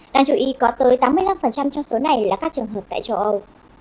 đáng chú ý có tới tám mươi năm trong số này là các trường hợp tại châu âu